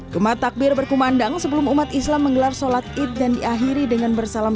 kemat takbir berkumandang sebelum umat islam menggelar sholat id dan diakhiri dengan bersalam